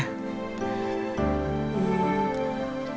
posisi kandungan masih turun